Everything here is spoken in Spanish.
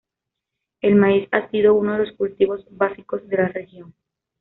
El maíz ha sido uno de los cultivos básicos de la región.